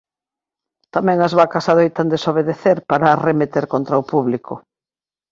Tamén as vacas adoitan desobedecer para arremeter contra o público.